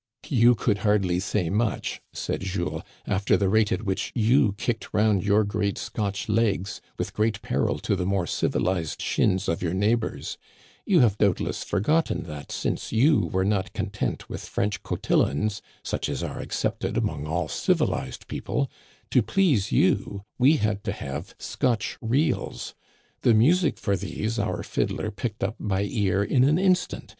*' You could hardly say much," said Jules, " after the rate at which you kicked round your great Scotch legs with great peril to the more civilized shins of your neigh bors. You have doubtless forgotten that, since you were not content with French cotillons, such as are ac cepted among all civilized people, to please you we had Digitized by VjOOQIC A SUPPER. 87 to have Scotch reels. The music for these our fiddler picked up by ear in an instant.